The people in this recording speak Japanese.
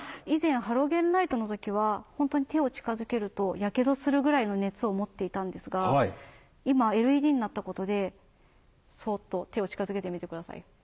以前ハロゲンライトの時はホントに手を近づけるとヤケドするぐらいの熱を持っていたんですが今ＬＥＤになったことでそっと手を近づけてみてください。